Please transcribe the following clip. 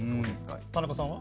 田中さんは？